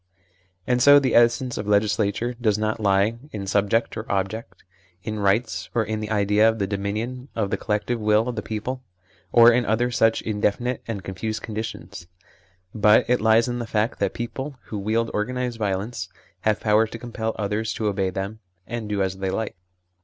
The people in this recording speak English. And so the essence of legislature does not lie in Subject or Object, in rights, or in the idea of the dominion of the collective will of the people, or in other such indefinite and confused conditions ; but it lies in the fact that people 92 THE SLAVERY OF OUR TIMES who wield organised violence have power to com pel others to obey them and do as they like.